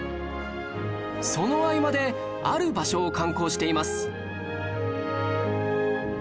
その合間である場所を観光しています